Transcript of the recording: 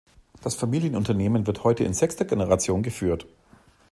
Das Familienunternehmen wird heute in sechster Generation geführt.